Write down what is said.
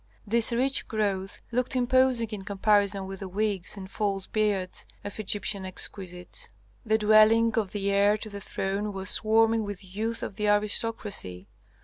This rich growth looked imposing in comparison with the wigs and false beards of Egyptian exquisites. The dwelling of the heir to the throne was swarming with youth of the aristocracy.